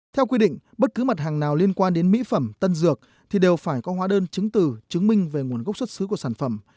theo quy định bất cứ mặt hàng nào liên quan đến mỹ phẩm tân dược thì đều phải có hóa đơn chứng từ chứng minh về nguồn gốc xuất xứ của sản phẩm